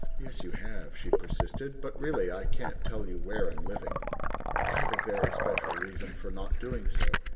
"Yes, you have," she persisted, "but really I can't tell you where I am living. I have a very special reason for not doing so.